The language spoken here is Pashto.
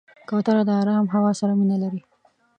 کوتره د آرام هوا سره مینه لري.